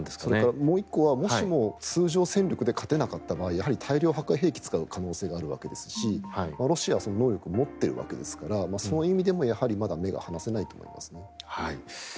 それからもう１個はもしも、通常戦力で勝てなかった場合大量破壊兵器を使う可能性があるわけですしロシアはその能力を持っているわけですからその意味でも目が離せないと思います。